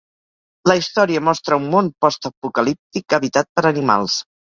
La història mostra un món postapocalíptic habitat per animals.